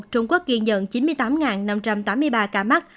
trung quốc ghi nhận chín mươi tám năm trăm tám mươi ba ca mắc